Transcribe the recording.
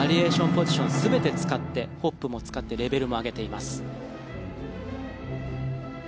ポジション全て使って、ホップも使ってレベルを上げています。